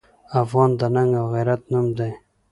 افغان د ننګ او غیرت نوم دی.